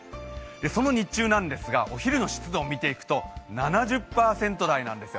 その日中ですがお昼の湿度を見ていくと７０％台なんですよ。